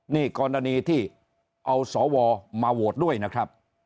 นี่กรณีที่เอาสวมาโหวตด้วยนะครับ